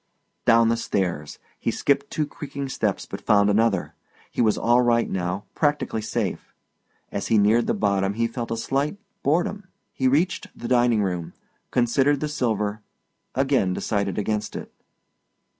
Down the stairs. He skipped two crumbing steps but found another. He was all right now, practically safe; as he neared the bottom he felt a slight boredom. He reached the dining room considered the silver again decided against it.